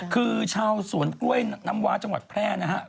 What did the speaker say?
คือชาวสวนกล้วยน้ำว้าจังหวัดแพร่นะครับ